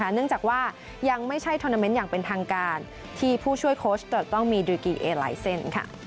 เนื่องจากว่ายังไม่ใช่ทวนาเมนต์อย่างเป็นทางการที่ผู้ช่วยโค้ชจะต้องมีดริกีเอหลายเส้น